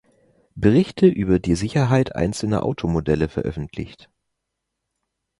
Berichte über die Sicherheit einzelner Automodelle veröffentlicht.